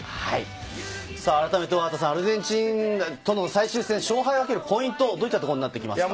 改めて大畑さん、アルゼンチンとの最終戦、勝敗を分けるポイントはどういうところですか？